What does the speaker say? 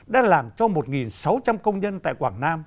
đã làm cho một sáu trăm linh công nhân tại quảng nam